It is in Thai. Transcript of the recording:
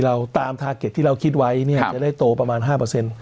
เราตามทาเก็ตที่เราคิดไว้เนี่ยจะได้โตประมาณห้าเปอร์เซ็นต์